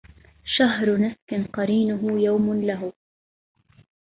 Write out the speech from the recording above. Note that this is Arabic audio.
شهر نسك قرينه يوم لهو